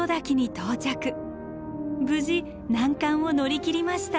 無事難関を乗り切りました。